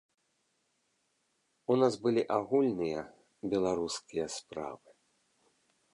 У нас былі агульныя беларускія справы.